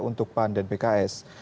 untuk pan dan pks